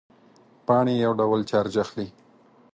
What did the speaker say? پاڼې یو ډول چارج اخلي.